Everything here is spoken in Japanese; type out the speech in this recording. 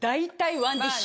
ワンディッシュ。